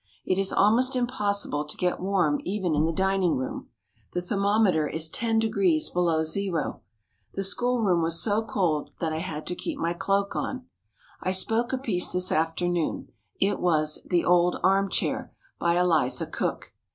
It is almost impossible to get warm even in the dining room. The thermometer is 10° below zero. The schoolroom was so cold that I had to keep my cloak on. I spoke a piece this afternoon. It was "The Old Arm Chair," by Eliza Cook.